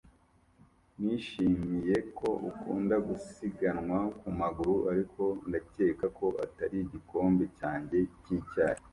Nishimiye ko ukunda gusiganwa ku maguru, ariko ndakeka ko atari igikombe cyanjye cy'icyayi.